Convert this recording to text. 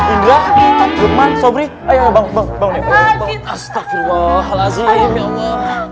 indra bukman sobri ayo bangun bangun astaghfirullahaladzim ya allah